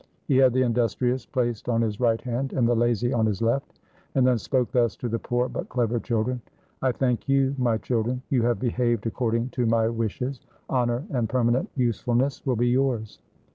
He had the industrious placed on his right hand, and the lazy on his left, and then spoke thus to the poor but clever children: "I thank you, my children; you have behaved according to my wishes: honor and permanent usefulness will be yours."